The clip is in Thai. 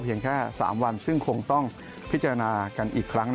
แค่๓วันซึ่งคงต้องพิจารณากันอีกครั้ง